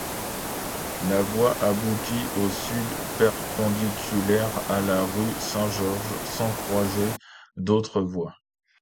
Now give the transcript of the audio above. La voie aboutit au sud perpendiculairement à la rue Saint-Georges, sans croiser d'autre voie.